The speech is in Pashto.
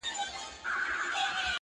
خیراتونه اورېدل پر بې وزلانو-